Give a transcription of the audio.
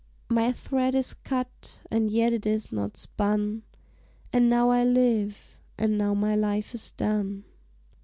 My thread is cut, and yet it is not spun; And now I live, and now my life is done!